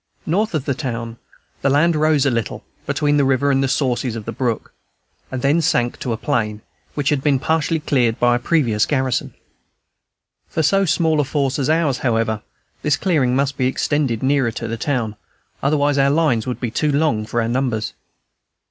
North of the town the land rose a little, between the river and the sources of the brook, and then sank to a plain, which had been partially cleared by a previous garrison. For so small a force as ours, however, this clearing must be extended nearer to the town; otherwise our lines would be too long for our numbers.